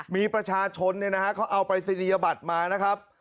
มีประชาชนเขาเอาปรายศนียบัตรมานะครับ